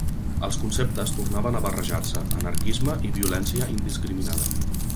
Els conceptes tornaven a barrejar-se: anarquisme i violència indiscriminada.